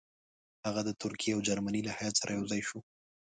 هغه د ترکیې او جرمني له هیات سره یو ځای شو.